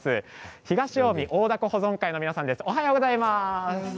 東近江大凧保存会の皆さんです。